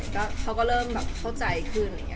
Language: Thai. เขาก็เริ่มแบบเข้าใจขึ้น